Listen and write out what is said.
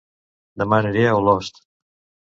Dema aniré a Olost